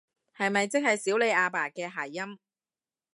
係咪即係少理阿爸嘅諧音？